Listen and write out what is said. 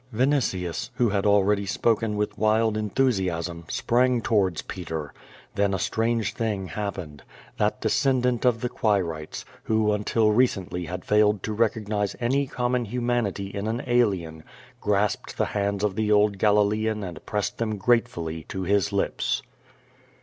Vinitius, who had already spoken with wild enthusiasm, sprang towards Peter. Then a strange thing happened. Tliot descendant of the Quirites, who until recently had failed to recognize any common humanity in an alien, grasp ed the hands of the old Galilean and pressed them gratefully to his lips.